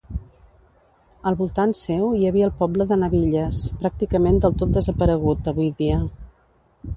Al voltant seu hi havia el poble de Nabilles, pràcticament del tot desaparegut, avui dia.